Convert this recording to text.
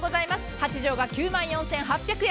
８畳が９万４８００円。